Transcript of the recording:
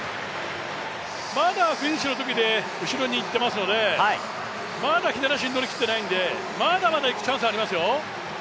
まだフィニッシュのとき後ろにいっていますのでまだ左足に乗りきっていないんで、まだまだいくチャンスはありますよ。